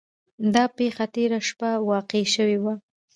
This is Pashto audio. دا پیښه تیره شپه واقع شوې وه.